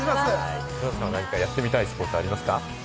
何かやってみたいスポーツとかありますか？